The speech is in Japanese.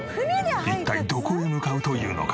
一体どこへ向かうというのか？